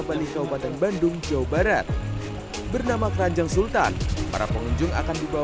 bali kabupaten bandung jawa barat bernama keranjang sultan para pengunjung akan dibawa